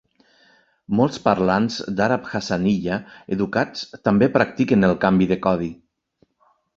Molts parlants d'Àrab Hassaniya educats també practiquen el canvi de codi.